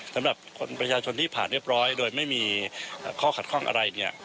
สำหรับคนประชาชนที่ผ่านเรียบร้อยโดยไม่มีข้อขัดข้องอะไรเนี่ย